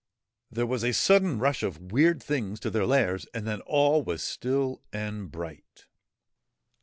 There was a sudden rush of weird things to their lairs, and then all was still and bright.